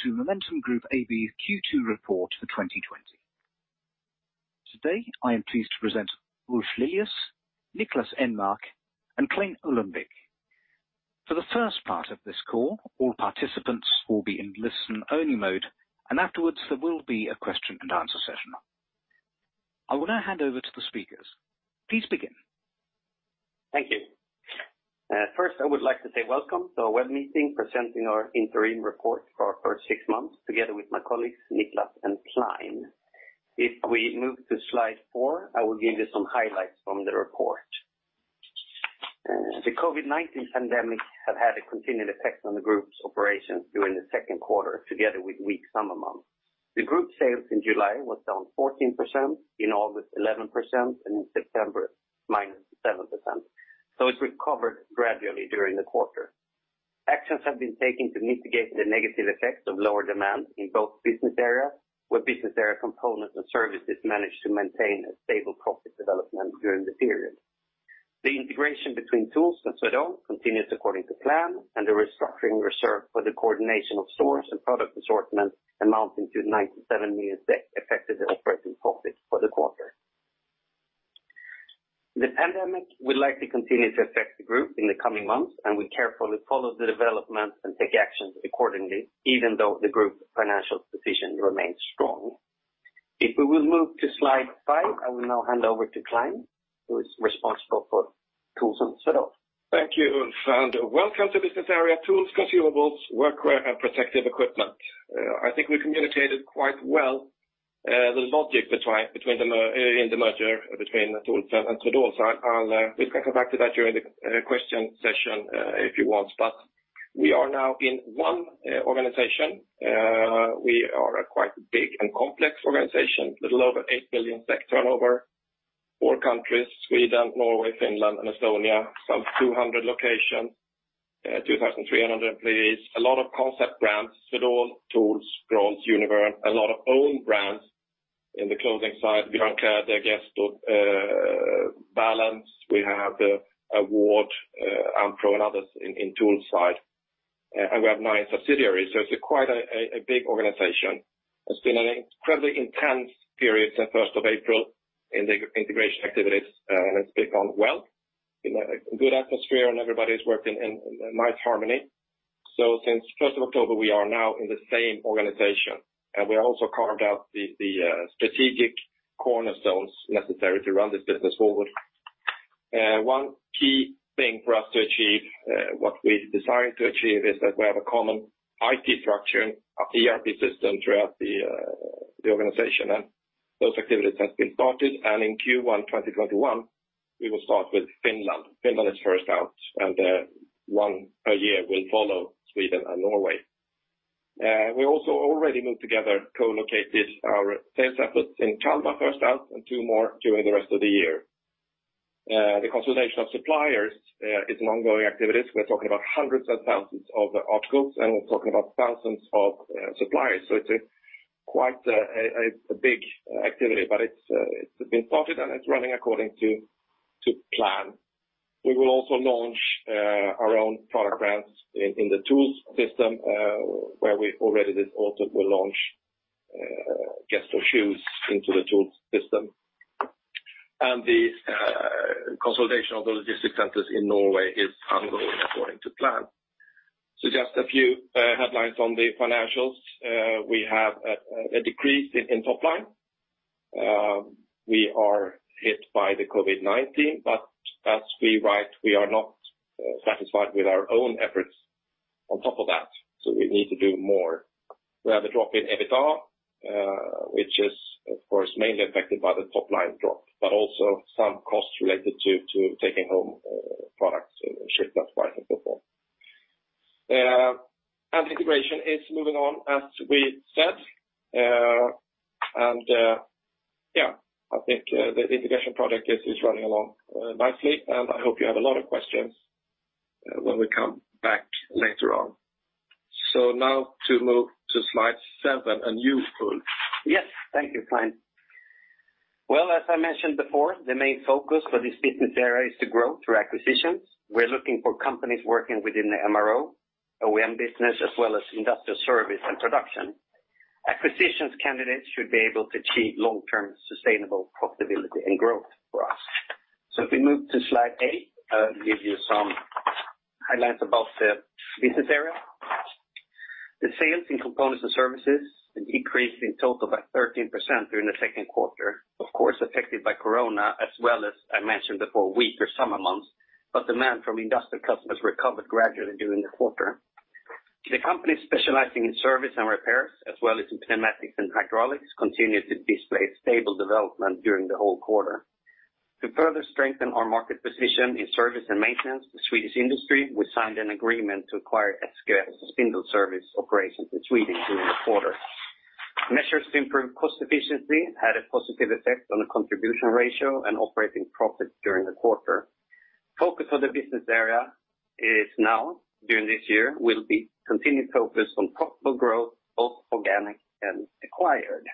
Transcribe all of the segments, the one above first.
Ladies and gentlemen, welcome to Momentum Group AB Q2 report for 2020. Today, I am pleased to present Ulf Lilius, Niklas Enmark, and Clein Johansson Ullenvik. For the first part of this call, all participants will be in listen-only mode, and afterwards, there will be a question and answer session. I will now hand over to the speakers. Please begin. Thank you. First, I would like to say welcome to our web meeting, presenting our interim report for our first six months, together with my colleagues, Niklas and Clein. If we move to slide four, I will give you some highlights from the report. The COVID-19 pandemic have had a continued effect on the group's operations during the second quarter, together with weak summer months. The group sales in July was down 14%, in August, 11%, and in September, -7%, so it recovered gradually during the quarter. Actions have been taken to mitigate the negative effects of lower demand in both business areas, where Business Area Components & Services managed to maintain a stable profit development during the period. The integration between TOOLS and Swedol continues according to plan, and the restructuring reserve for the coordination of stores and product assortment amounting to 97 million affected the operating profit for the quarter. The pandemic will likely continue to affect the group in the coming months, and we carefully follow the developments and take actions accordingly, even though the group's financial position remains strong. If we will move to slide five, I will now hand over to Clein, who is responsible for TOOLS and Swedol. Thank you, Ulf, and welcome to business area TOOLS, Consumables, Workwear, and Protective Equipment. I think we communicated quite well the logic in the merger between TOOLS and Swedol. We can come back to that during the question session if you want, but we are now in one organization. We are a quite big and complex organization, a little over 8 billion SEK turnover, four countries, Sweden, Norway, Finland, and Estonia, some 200 locations, 2,300 employees, a lot of concept brands, Swedol, TOOLS, Grolls, Univern, a lot of own brands. In the clothing side, we have Doncare, Castor, and Balance. We have Award, Ampro, and others in the TOOLS side, and we have nine subsidiaries, so it's quite a big organization. It's been an incredibly intense period since first of April in the integration activities, and it's been gone well, in a good atmosphere, and everybody's working in nice harmony. So since first of October, we are now in the same organization, and we also carved out the strategic cornerstones necessary to run this business forward. One key thing for us to achieve what we desire to achieve is that we have a common IT structure, ERP system throughout the organization, and those activities have been started. And in Q1 2021, we will start with Finland. Finland is first out, and one a year will follow Sweden and Norway. We also already moved together, co-located our sales efforts in Kalmar, first out, and two more during the rest of the year. The consolidation of suppliers is an ongoing activity. We're talking about hundreds and thousands of articles, and we're talking about thousands of suppliers. So it's quite a big activity, but it's been started, and it's running according to plan. We will also launch our own product brands in the TOOLS system, where we already this autumn will launch Gesto shoes into the TOOLS system. The consolidation of the logistics centers in Norway is ongoing according to plan. Just a few headlines on the financials. We have a decrease in top line. We are hit by the COVID-19, but as we write, we are not satisfied with our own efforts on top of that, so we need to do more. We have a drop in EBITDA, which is, of course, mainly affected by the top-line drop, but also some costs related to taking home products and shipped out by before. And integration is moving on as we said, and yeah, I think the integration project is running along nicely, and I hope you have a lot of questions when we come back later on. So now to move to slide seven, and you, Ulf. Yes, thank you, Clein. Well, as I mentioned before, the main focus for this business area is to grow through acquisitions. We're looking for companies working within the MRO, OEM business, as well as industrial service and production. Acquisitions candidates should be able to achieve long-term sustainable profitability and growth for us. So if we move to slide eight, I'll give you some highlights about the business area. The sales in components and services decreased in total by 13% during the second quarter, of course, affected by corona, as well as I mentioned before, weaker summer months, but demand from industrial customers recovered gradually during the quarter. The company specializing in service and repairs, as well as in pneumatics and hydraulics, continued to display stable development during the whole quarter. To further strengthen our market position in service and maintenance, the Swedish industry, we signed an agreement to acquire SKF's spindle service operations in Sweden during the quarter. Measures to improve cost efficiency had a positive effect on the contribution ratio and operating profit during the quarter. Focus of the business area is now, during this year, will be continued focus on profitable growth, both organic and acquired....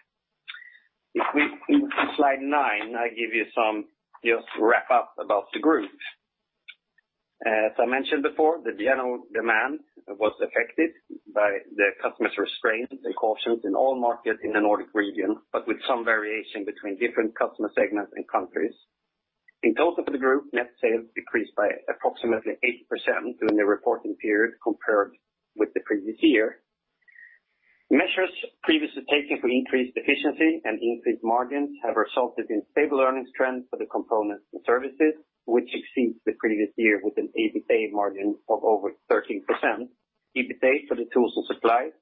If we, in slide nine, I give you some just wrap up about the group. As I mentioned before, the general demand was affected by the customer's restraint and caution in all markets in the Nordic region, but with some variation between different customer segments and countries. In total for the group, net sales decreased by approximately 80% during the reporting period compared with the previous year. Measures previously taken for increased efficiency and increased margins have resulted in stable earnings trends for the components and services, which exceeds the previous year with an EBITDA margin of over 13%. EBITDA for the tools and supplies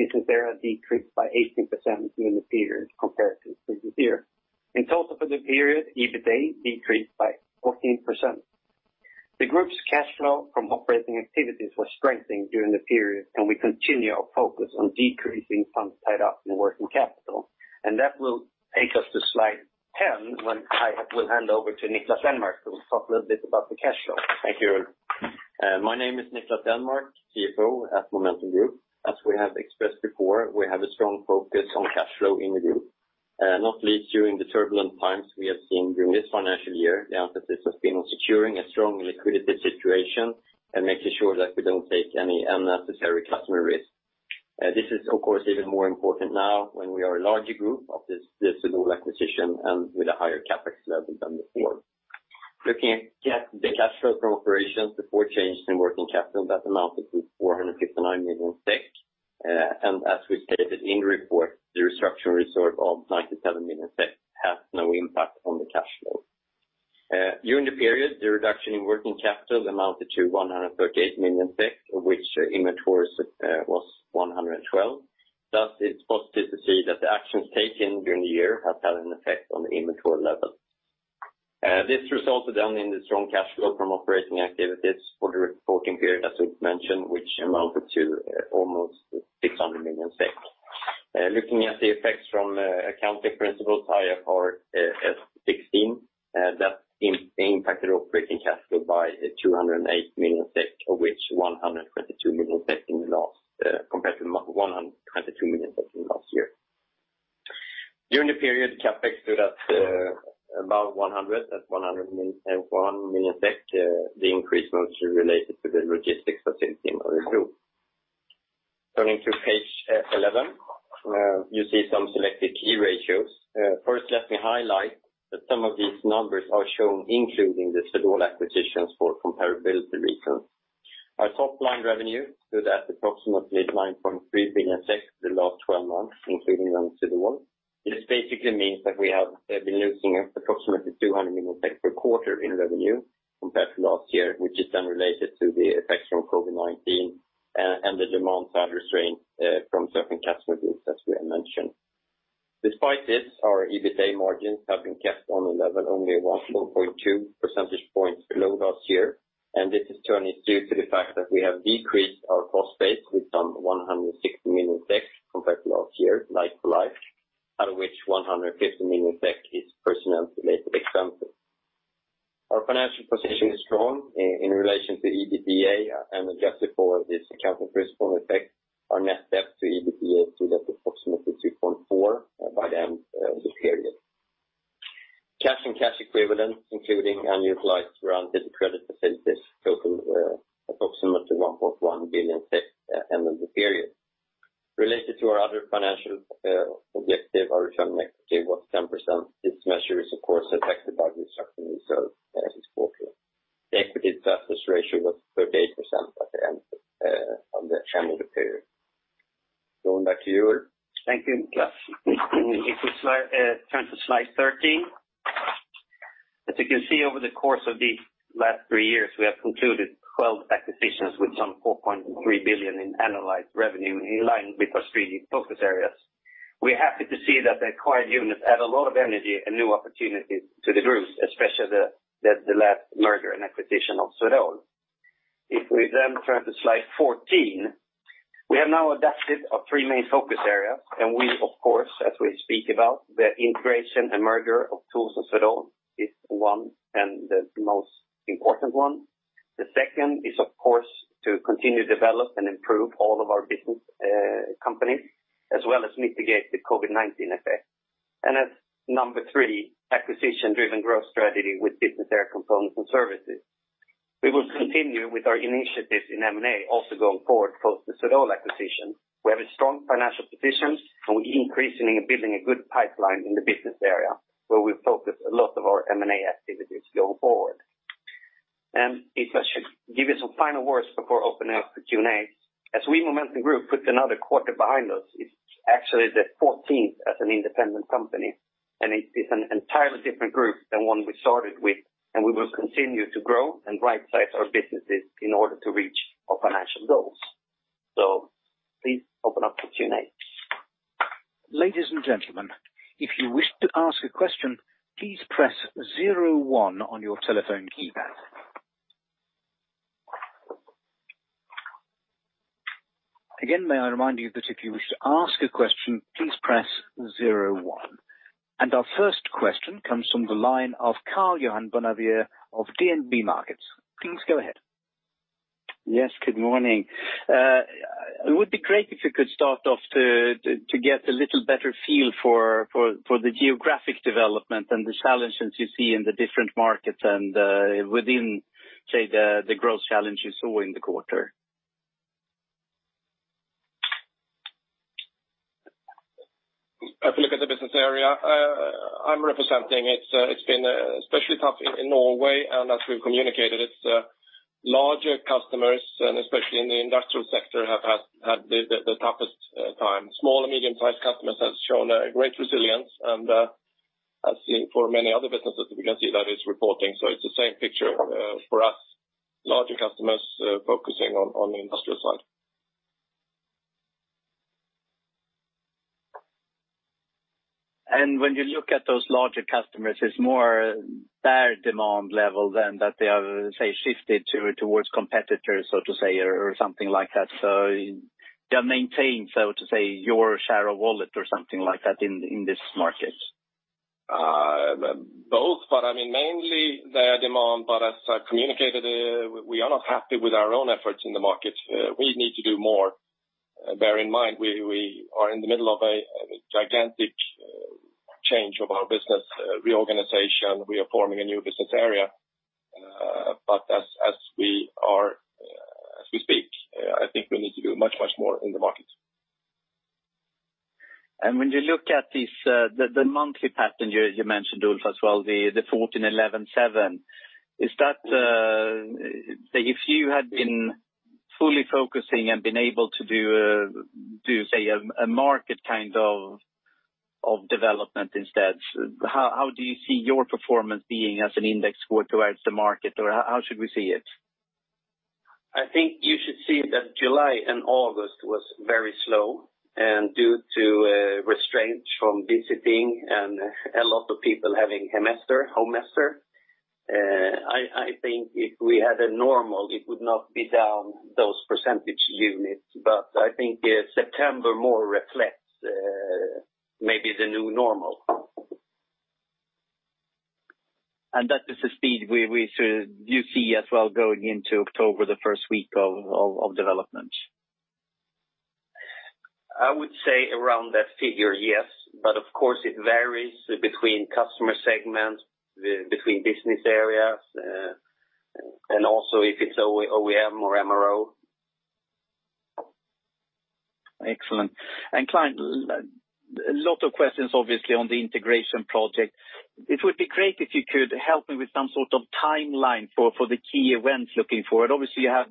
business area decreased by 18% during the period compared to the previous year. In total for the period, EBITDA decreased by 14%. The group's cash flow from operating activities was strengthened during the period, and we continue our focus on decreasing funds tied up in working capital, and that will take us to slide 10, when I will hand over to Niklas Enmark, who will talk a little bit about the cash flow. Thank you. My name is Niklas Enmark, CFO at Momentum Group. As we have expressed before, we have a strong focus on cash flow in the group, not least during the turbulent times we have seen during this financial year, the emphasis has been on securing a strong liquidity situation and making sure that we don't take any unnecessary customer risk. This is, of course, even more important now, when we are a larger group after this acquisition and with a higher CapEx level than before. Looking at the cash flow from operations, before changes in working capital, that amounted to 459 million SEK, and as we stated in the report, the restructuring reserve of 97 million SEK has no impact on the cash flow. During the period, the reduction in working capital amounted to 138 million, of which inventories was 112. Thus, it's positive to see that the actions taken during the year have had an effect on the inventory level. This resulted then in the strong cash flow from operating activities for the reporting period, as we've mentioned, which amounted to almost 600 million SEK. Looking at the effects from accounting principles, IFRS 16, that impacted operating cash flow by 208 million, of which 122 million in the last, compared to 122 million in last year. During the period, CapEx stood at about 101 million, the increase mostly related to the logistics of the group. Turning to page 11, you see some selected key ratios. First, let me highlight that some of these numbers are shown, including the Swedol acquisitions for comparability reasons. Our top line revenue stood at approximately 9.3 billion the last 12 months, including Swedol. This basically means that we have been losing approximately 200 million per quarter in revenue compared to last year, which is then related to the effects from COVID-19, and the demand side restraint from certain customer groups, as we had mentioned. Despite this, our EBITDA margins have been kept on level, only 1.2 percentage points below last year. This is turning due to the fact that we have decreased our cost base with some 160 million SEK compared to last year, like for like, out of which 150 million SEK is personnel-related expenses. Our financial position is strong in relation to EBITDA and adjusted for this accounting principle effect, our net debt to EBITDA stood at approximately 2.4 by the end of the period. Cash and cash equivalents, including unutilized granted credit facilities, total approximately 1.1 billion at the end of the period. Related to our other financial objective, our return on equity was 10%. This measure is, of course, affected by the restructuring reserve as this quarter. The equity to assets ratio was 38% at the end of the period. Going back to you, Ulf. Thank you, Niklas. If we turn to slide 13, as you can see over the course of these last three years, we have concluded 12 acquisitions with some 4.3 billion in analyzed revenue in line with our strategic focus areas. We're happy to see that the acquired units add a lot of energy and new opportunities to the group, especially the last merger and acquisition of Swedol. If we then turn to slide 14, we have now adapted our three main focus areas, and we, of course, as we speak about the integration and merger of TOOLS and Swedol, is one and the most important one. The second is, of course, to continue to develop and improve all of our business companies, as well as mitigate the COVID-19 effect. And as number three, acquisition-driven growth strategy with business area components and services. We will continue with our initiatives in M&A, also going forward post the Swedol acquisition. We have a strong financial position, and we're increasing and building a good pipeline in the business area, where we focus a lot of our M&A activities going forward. If I should give you some final words before opening up for Q&A, as we, Momentum Group, put another quarter behind us, it's actually the 14th as an independent company, and it is an entirely different group than one we started with, and we will continue to grow and right-size our businesses in order to reach our financial goals. Please open up for Q&A. Ladies and gentlemen, if you wish to ask a question, please press zero one on your telephone keypad. Again, may I remind you that if you wish to ask a question, please press zero one. Our first question comes from the line of Karl-Johan Bonnevier of DNB Markets. Please go ahead.... Yes, good morning. It would be great if you could start off to get a little better feel for the geographic development and the challenges you see in the different markets and within, say, the growth challenge you saw in the quarter. If you look at the business area I'm representing, it's been especially tough in Norway, and as we've communicated, its larger customers, and especially in the industrial sector, have had the toughest time. Small and medium-sized customers have shown a great resilience, and as in for many other businesses, we can see that is reporting. So it's the same picture for us, larger customers focusing on the industrial side. When you look at those larger customers, it's more their demand level than that they have, say, shifted toward competitors, so to say, or something like that. So they have maintained, so to say, your share of wallet or something like that in this market? Both, but I mean, mainly their demand. But as I communicated, we are not happy with our own efforts in the market. We need to do more. Bear in mind, we are in the middle of a gigantic change of our business, reorganization. We are forming a new business area. But as we speak, I think we need to do much, much more in the market. When you look at this, the monthly pattern you mentioned, Ulf, as well, the 14, 11, seven, is that... Say, if you had been fully focusing and been able to do, say, a market kind of development instead, how do you see your performance being as an index score towards the market, or how should we see it? I think you should see that July and August was very slow, and due to restraint from visiting and a lot of people having semester home semester, I think if we had a normal, it would not be down those percentage units. But I think September more reflects maybe the new normal. And that is the speed we should, you see as well, going into October, the first week of development? I would say around that figure, yes. But of course, it varies between customer segments, between business areas, and also if it's OEM or MRO. Excellent. And Clein, a lot of questions obviously on the integration project. It would be great if you could help me with some sort of timeline for the key events looking forward. Obviously, you have,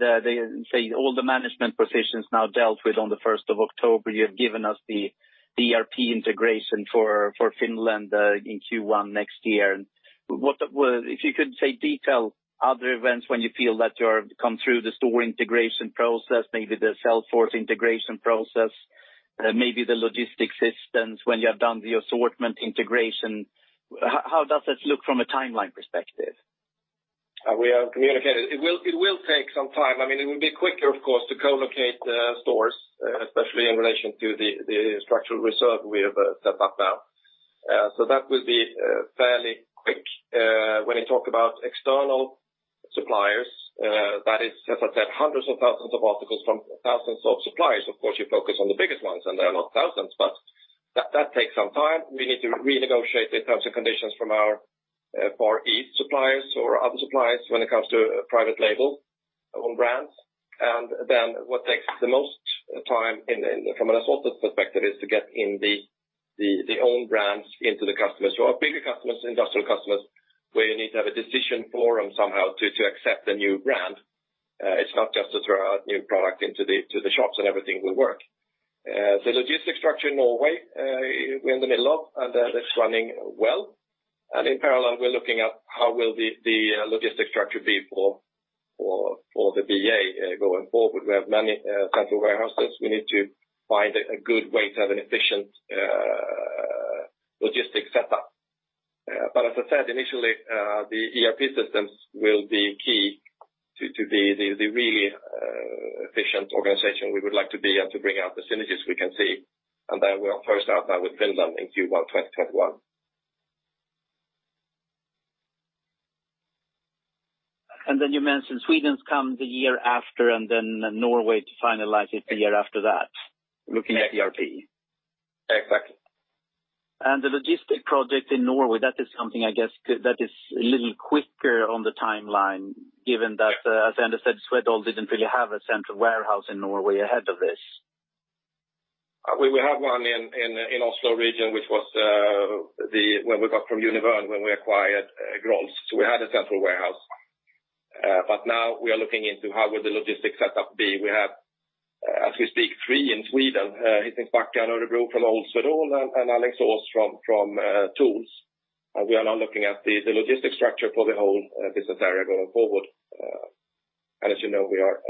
say, all the management positions now dealt with on the 1st of October. You have given us the ERP integration for Finland in Q1 next year. What if you could, say, detail other events when you feel that you have come through the store integration process, maybe the salesforce integration process, maybe the logistic systems when you have done the assortment integration, how does it look from a timeline perspective? We have communicated. It will take some time. I mean, it will be quicker, of course, to co-locate stores, especially in relation to the structural reserve we have set up now. So that will be fairly quick. When you talk about external suppliers, that is, as I said, hundreds of thousands of articles from thousands of suppliers. Of course, you focus on the biggest ones, and they are not thousands, but that takes some time. We need to renegotiate the terms and conditions from our Far East suppliers or other suppliers when it comes to private label, own brands. And then what takes the most time in from an assortment perspective is to get in the own brands into the customers. So our bigger customers, industrial customers, where you need to have a decision forum somehow to accept a new brand, it's not just to throw a new product into the shops and everything will work. The logistic structure in Norway, we're in the middle of, and it's running well. And in parallel, we're looking at how will the logistic structure be for the BA going forward. We have many central warehouses. We need to find a good way to have an efficient logistic setup. But as I said, initially, the ERP systems will be key to the really efficient organization we would like to be and to bring out the synergies we can see, and then we'll first start out with Finland in Q1 2021. And then you mentioned Sweden comes the year after, and then Norway to finalize it the year after that, looking at ERP. Exactly. The logistics project in Norway, that is something, I guess, that is a little quicker on the timeline, given that, as I understand, Swedol didn't really have a central warehouse in Norway ahead of this. We had one in the Oslo region, which was when we got from Univern when we acquired Grolls. So we had a central warehouse. But now we are looking into how the logistics setup will be. We have, as we speak, three in Sweden, [hitting back] at Örebro from old Swedol and Alingsås from TOOLS. And we are now looking at the logistics structure for the whole business area going forward. And as you know, we are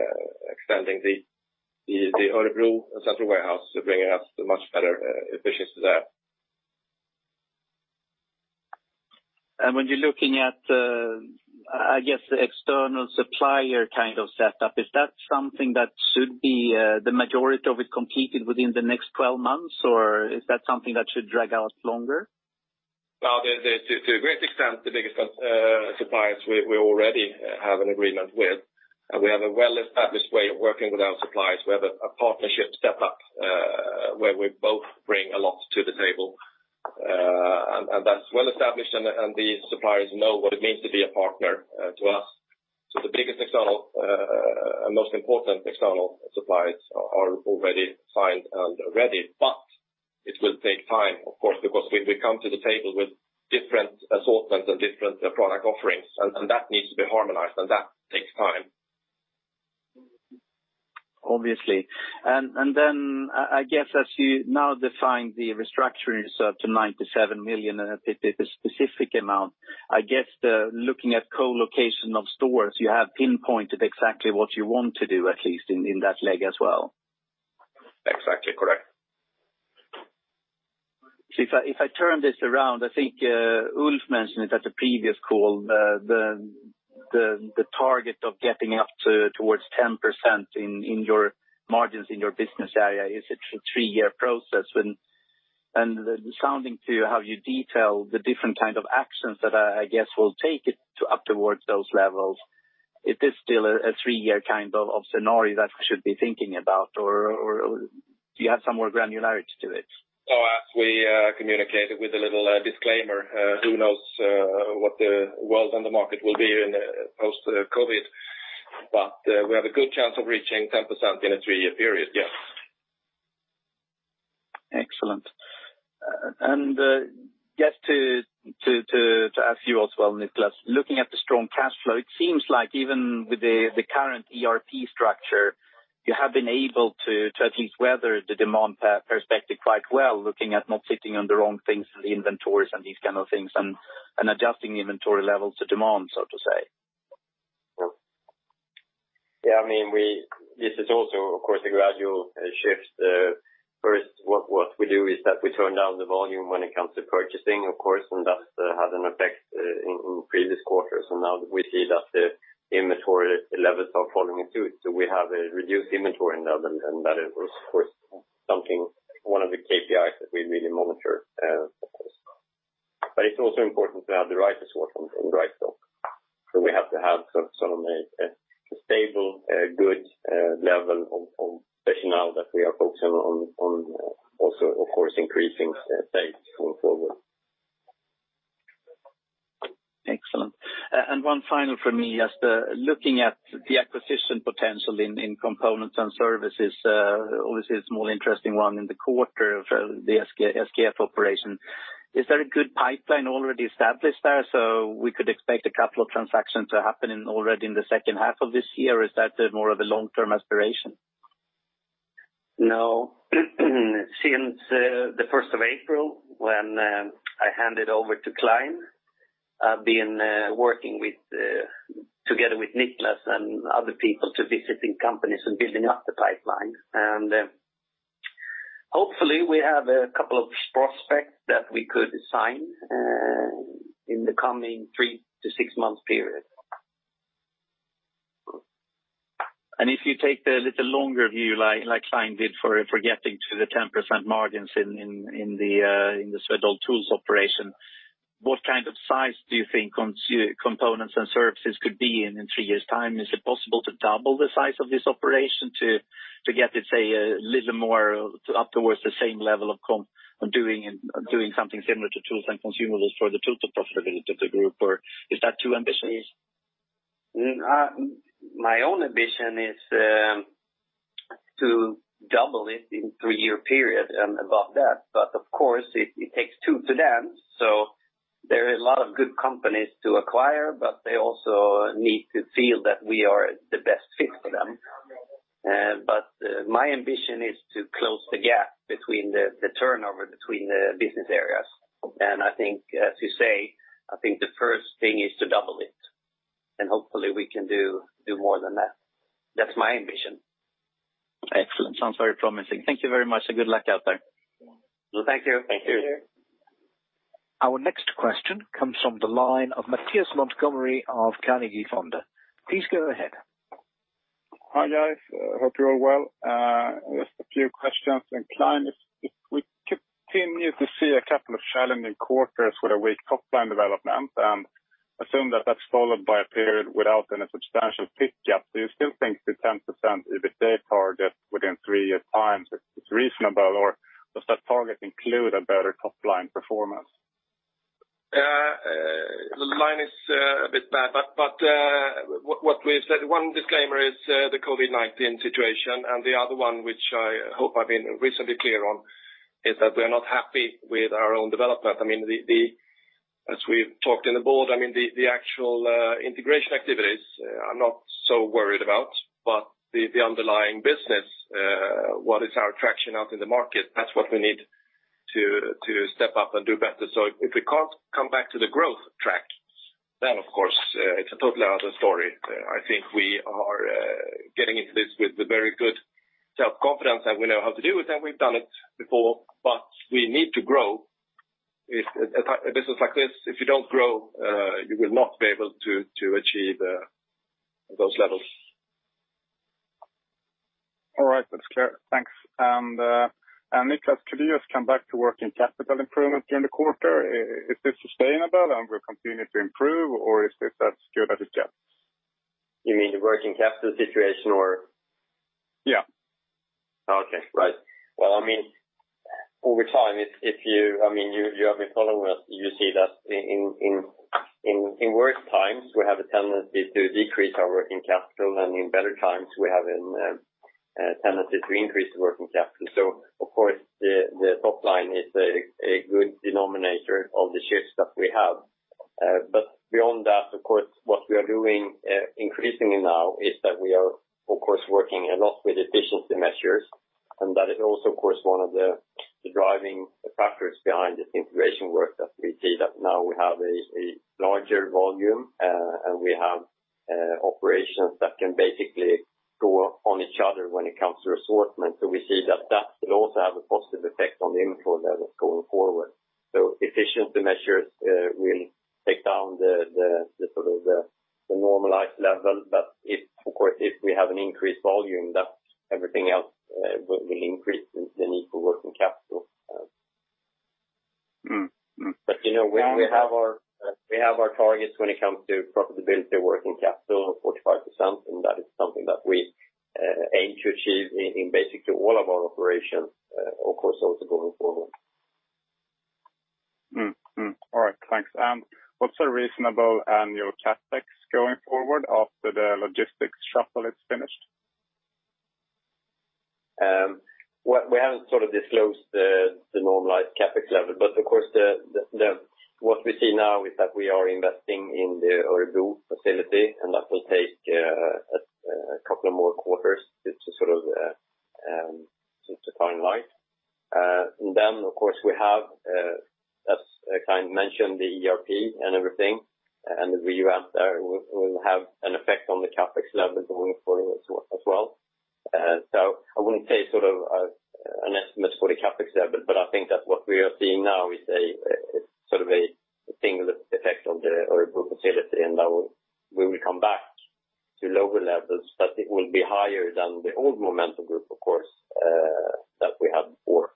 extending the Örebro central warehouse to bring us a much better efficiency there. When you're looking at, I guess, the external supplier kind of setup, is that something that should be the majority of it completed within the next 12 months, or is that something that should drag out longer?... Well, to a great extent, the biggest suppliers we already have an agreement with, and we have a well-established way of working with our suppliers. We have a partnership set up, where we both bring a lot to the table, and that's well established, and these suppliers know what it means to be a partner to us. So the biggest external and most important external suppliers are already signed and ready, but it will take time, of course, because we come to the table with different assortments and different product offerings, and that needs to be harmonized, and that takes time. Obviously. And then I guess as you now define the restructuring reserve to 97 million, and if it's a specific amount, I guess the looking at co-location of stores, you have pinpointed exactly what you want to do, at least in that leg as well. Exactly correct. So if I turn this around, I think, Ulf mentioned it at the previous call, the target of getting up towards 10% in your margins in your business area, is it a three-year process? And listening to how you detail the different kind of actions that I guess will take it up towards those levels, it is still a three-year kind of scenario that we should be thinking about, or do you have some more granularity to it? So as we communicated with a little disclaimer, who knows what the world and the market will be in post-COVID, but we have a good chance of reaching 10% in a three-year period, yes. Excellent. And just to ask you as well, Niklas, looking at the strong cash flow, it seems like even with the current ERP structure, you have been able to at least weather the demand perspective quite well, looking at not sitting on the wrong things in the inventories and these kind of things, and adjusting inventory levels to demand, so to say. Yeah, I mean, we—this is also, of course, a gradual shift. First, what we do is that we turn down the volume when it comes to purchasing, of course, and that's had an effect in previous quarters, and now we see that the inventory levels are falling into it. So we have a reduced inventory now, and that is, of course, something, one of the KPIs that we really monitor, of course. But it's also important to have the right assortment and right stock. So we have to have some a stable good level of personnel that we are focusing on also, of course, increasing sales going forward. Excellent. And one final for me, just looking at the acquisition potential in components and services, obviously, it's more interesting one in the quarter for the SKF operation. Is there a good pipeline already established there, so we could expect a couple of transactions to happen already in the second half of this year, or is that more of a long-term aspiration? No. Since the first of April, when I handed over to Clein, I've been working together with Niklas and other people to visiting companies and building up the pipeline. And hopefully, we have a couple of prospects that we could sign in the coming three to six-month period. If you take the little longer view, like Clein did for getting to the 10% margins in the Swedol TOOLS operation, what kind of size do you think components and services could be in three years time? Is it possible to double the size of this operation to get, let's say, a little more up towards the same level of comparable of doing something similar to TOOLS and consumables for the TOOLS profitability of the group, or is that too ambitious? My own ambition is to double it in three-year period and above that, but of course, it takes two to dance, so there is a lot of good companies to acquire, but they also need to feel that we are the best fit for them. But my ambition is to close the gap between the turnover between the business areas. And I think, as you say, I think the first thing is to double it, and hopefully, we can do more than that. That's my ambition. Excellent. Sounds very promising. Thank you very much, and good luck out there. Well, thank you. Thank you. Thank you. Our next question comes from the line of Mattias Montgomery of Carnegie Fonder. Please go ahead. Hi, guys. Hope you're all well. Just a few questions, and Clein, if we continue to see a couple of challenging quarters with a weak top line development, and assume that that's followed by a period without any substantial pick up, do you still think the 10% EBITA target within three years time is reasonable, or does that target include a better top line performance? The line is a bit bad, but what we've said, one disclaimer is the COVID-19 situation, and the other one, which I hope I've been recently clear on, is that we are not happy with our own development. I mean, as we've talked in the board, I mean, the actual integration activities, I'm not so worried about, but the underlying business, what is our traction out in the market? That's what we need to step up and do better. So if we can't come back to the growth track, then, of course, it's a totally other story. I think we are getting into this with a very good self-confidence, and we know how to do it, and we've done it before, but we need to grow. If a business like this, if you don't grow, you will not be able to achieve those levels.... That's clear. Thanks. And, and Niklas, could you just come back to working capital improvement during the quarter? Is this sustainable and will continue to improve, or is this as good as it gets? You mean the working capital situation or? Yeah. Okay. Right. Well, I mean, over time, if you—I mean, you have been following us, you see that in worse times, we have a tendency to decrease our working capital, and in better times, we have a tendency to increase the working capital. So of course, the top line is a good denominator of the shifts that we have. But beyond that, of course, what we are doing, increasingly now, is that we are, of course, working a lot with efficiency measures, and that is also, of course, one of the driving factors behind this integration work that we see, that now we have a larger volume, and we have operations that can basically go on each other when it comes to assortment. So we see that that will also have a positive effect on the inventory levels going forward. So efficiency measures will take down the sort of normalized level, but of course, if we have an increased volume, that everything else will increase the need for working capital. Mm-hmm. Mm-hmm. But, you know, when we have our targets when it comes to profitability, working capital, 45%, and that is something that we aim to achieve in basically all of our operations, of course, also going forward. Mm-hmm. Mm-hmm. All right. Thanks. What's a reasonable annual CapEx going forward after the logistics shuffle is finished? Well, we haven't sort of disclosed the normalized CapEx level, but of course, what we see now is that we are investing in the Örebro facility, and that will take a couple of more quarters to sort of to timeline. And then, of course, we have, as Clein mentioned, the ERP and everything, and we are... will have an effect on the CapEx level going forward as well. So I wouldn't say sort of an estimate for the CapEx level, but I think that what we are seeing now is a sort of a single effect on the Örebro facility, and that will we will come back to lower levels, but it will be higher than the old Momentum Group, of course, that we had before.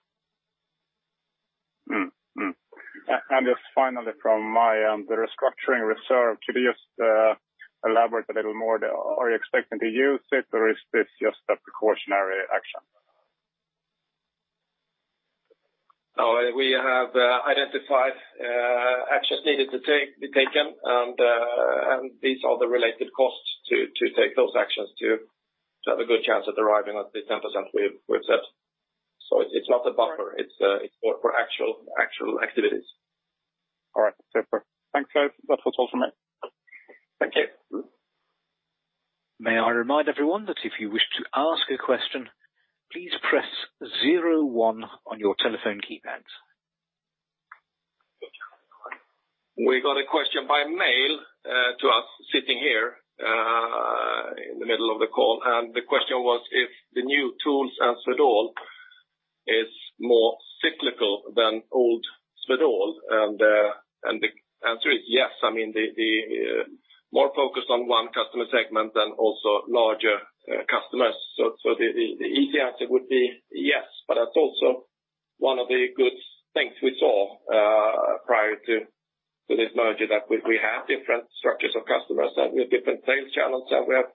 Mm-hmm. Mm-hmm. And just finally, from my, the restructuring reserve, could you just, elaborate a little more? Are you expecting to use it, or is this just a precautionary action? No, we have identified actions needed to take, be taken, and these are the related costs to take those actions to have a good chance at arriving at the 10% we've set. So it's not a buffer, it's more for actual activities. All right. Thanks, guys. That was all for me. Thank you. May I remind everyone that if you wish to ask a question, please press zero one on your telephone keypads. We got a question by mail to us sitting here in the middle of the call, and the question was if the new TOOLS at Swedol is more cyclical than old Swedol, and the answer is yes. I mean, the more focused on one customer segment than also larger customers. So the easy answer would be yes, but that's also one of the good things we saw prior to this merger, that we have different structures of customers, and we have different sales channels, and we have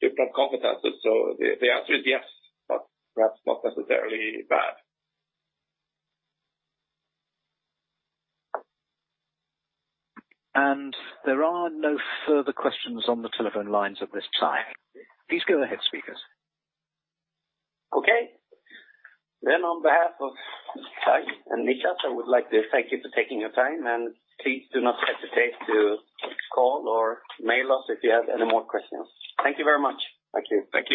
different competencies. So the answer is yes, but that's not necessarily bad. There are no further questions on the telephone lines at this time. Please go ahead, speakers. Okay. Then on behalf of Clein and Niklas, I would like to thank you for taking your time, and please do not hesitate to call or email us if you have any more questions. Thank you very much. Thank you. Thank you.